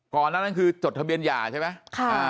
ก่อนนั้นคือจดทะเบียนหย่าใช่ไหม